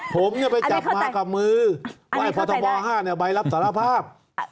ผมไปจับมากับมือไหว้ฟอทบ๕ใบรับสารภาพ